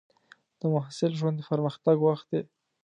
د محصل ژوند د پرمختګ وخت دی.